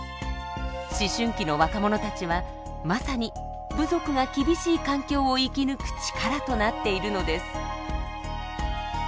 思春期の若者たちはまさに部族が厳しい環境を生き抜く力となっているのです。